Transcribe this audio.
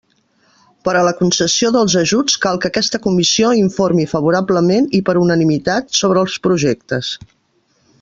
Per a la concessió dels ajuts cal que aquesta Comissió informi favorablement i per unanimitat sobre els projectes.